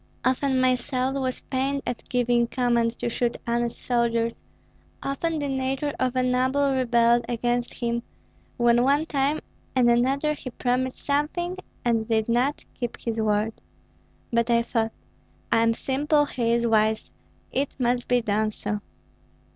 Often my soul was pained at giving command to shoot honest soldiers; often the nature of a noble rebelled against him, when one time and another he promised something and did not keep his word. But I thought: 'I am simple, he is wise! it must be done so.'